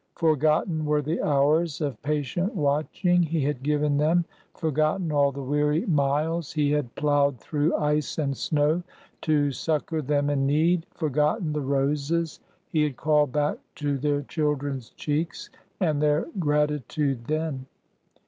Forgot ten were the hours of patient watching he had given them ; forgotten all the weary miles he had plowed through ice and snow to succor them in need ; forgotten the roses 275 276 ORDER NO. 11 he had called back to their children's cheeks, and their gratitude then.